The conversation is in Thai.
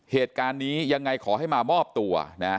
เหตุการณ์นี้ยังไงขอให้มามอบตัวนะ